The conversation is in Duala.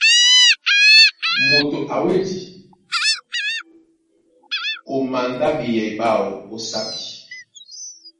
Moto a wedí a mandá ɓeyɛy ɓáō ó sápi.